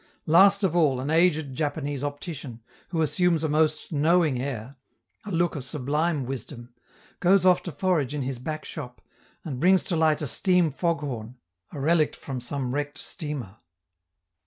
Last of all, an aged Japanese optician, who assumes a most knowing air, a look of sublime wisdom, goes off to forage in his back shop, and brings to light a steam fog horn, a relict from some wrecked steamer.